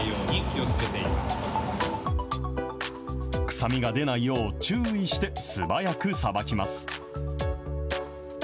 臭みが出ないよう、注意して素早くさばきます。